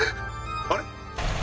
あれ？